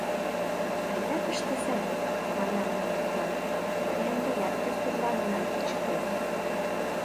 — Айда пыштыза, — манам мый тудлан, — мый ынде ятыр тӧрланенам, чытем.